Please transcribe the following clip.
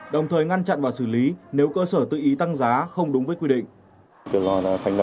đồng thời ngăn chặn và xử lý nếu cơ sở tự ý tăng giá không đúng với quy định